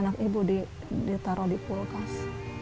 anak ibu ditaruh di kulkas